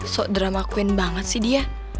sok drama queen banget sih dia